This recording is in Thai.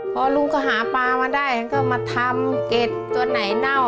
พอลุงก็หาปลามาได้ฉันก็มาทำเกร็ดตัวไหนเน่า